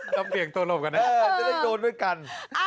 ดำเนี่ยงโทรลมกันนะจะได้โดนด้วยกัน